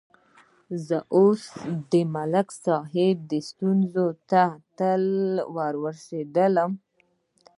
زه اوس د ملک صاحب د ستونزې تل ته ورسېدلم.